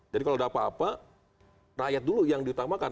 jadi kalau ada apa apa rakyat dulu yang diutamakan